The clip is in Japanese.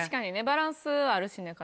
バランスあるしね。